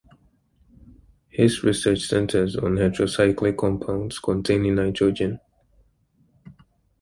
His research centres on heterocyclic compounds containing nitrogen.